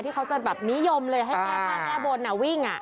ที่เค้าจะนิยมเลยให้ก้าวแก้บนนะวิ่ง